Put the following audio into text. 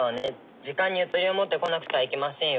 時間にゆとりを持って来なくてはいけませんよ。